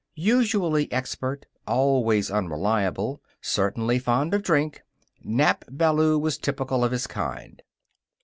Usually expert, always unreliable, certainly fond of drink, Nap Ballou was typical of his kind.